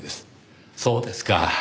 そうですか。